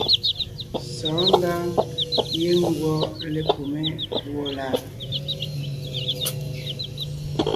Sɔ̌ɔn ngǎŋ giŋ ngwɔ́ lepumé púɔ láʼ.